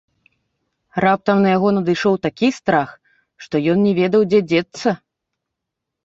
Раптам на яго надышоў такі страх, што ён не ведаў, дзе дзецца.